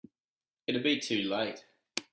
It'd be too late.